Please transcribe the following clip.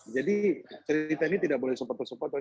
jadi cerita ini tidak boleh sepotong sepotong